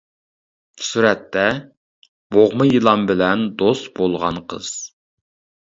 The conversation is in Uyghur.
سۈرەتتە: بوغما يىلان بىلەن دوست بولغان قىز.